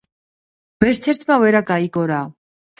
ვერც ერთმა ვერა გაიგო რა.